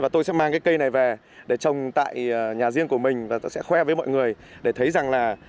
tôi sẽ mang cái cây này về để trồng tại nhà riêng của mình và tôi sẽ khoe với mọi người để thấy rằng là